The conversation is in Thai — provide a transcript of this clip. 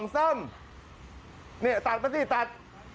๑๒๓ตัดมาสิตัด